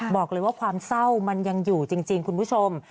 บอกเลยว่าความเศร้ามันยังอยู่จริงคุณผู้ชม